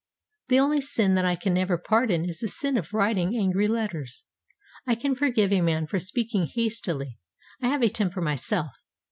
The only sin that I can never pardon is the sin of writing angry letters. I can forgive a man for speaking hastily; I have a temper myself.